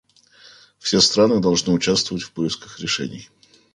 Все страны должны участвовать в поисках решений.